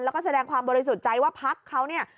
แล้วก็แสดงความบริสุทธิ์ใจว่าพักเขาเนี่ย